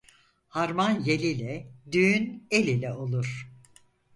Harman yel ile, düğün el ile olur.